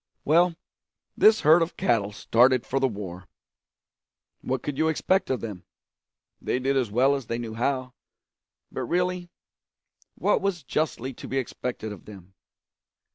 Well, this herd of cattle started for the war. What could you expect of them? They did as well as they knew how, but really what was justly to be expected of them?